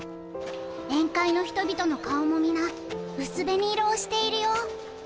宴会の人々の顔もみな薄紅色をしているよ。